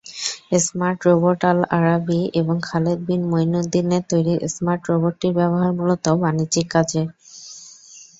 Smart রোবটআলআরাবি এবং খালেদ বিন মইনুদ্দিনের তৈরি স্মার্ট রোবটটির ব্যবহার মূলত বাণিজ্যিক কাজে।